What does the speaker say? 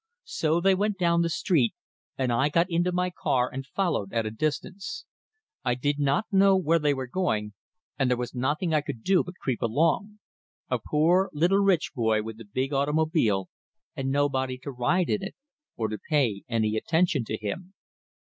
So they went down the street, and I got into my car and followed at a distance. I did not know where they were going, and there was nothing I could do but creep along a poor little rich boy with a big automobile and nobody to ride in it, or to pay any attention to him.